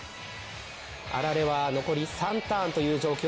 あられは残り３ターンという状況